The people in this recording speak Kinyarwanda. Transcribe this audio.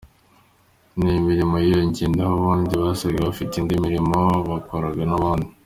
N’ imirimo yiyongereye naho ubundi basanzwe bafite indi mirimo bakoraga n’ ubundi.